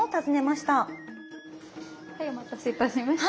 はいお待たせいたしました。